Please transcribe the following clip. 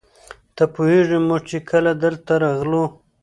ته پوهېږې موږ چې کله دلته راغلو.